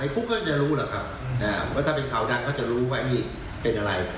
คุกก็จะรู้หรอกครับว่าถ้าเป็นข่าวดังเขาจะรู้ว่านี่เป็นอะไร